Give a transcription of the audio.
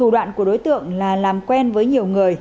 đoạn của đối tượng là làm quen với nhiều người